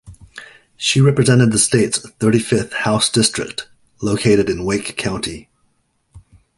She represented the state's thirty-fifth House district, located in Wake County.